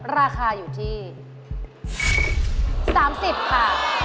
ราคาอยู่ที่๓๐ค่ะ